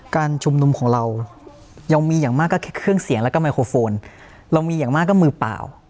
การชุมนุมของเรายังมีอย่างมากก็แค่เครื่องเสียงแล้วก็ไมโครโฟนเรามีอย่างมากก็มือเปล่า